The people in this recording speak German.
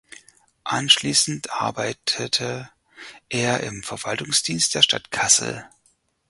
Anschließend arbeitete er im Verwaltungsdienst der Stadt Kassel.